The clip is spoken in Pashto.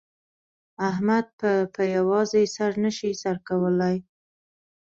احمد په په یوازې سر نه شي سر کولای.